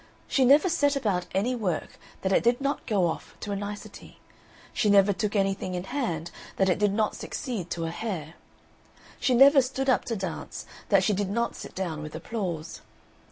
She never set about any work that it did not go off to a nicety; she never took anything in hand that it did not succeed to a hair; she never stood up to dance, that she did not sit down with applause.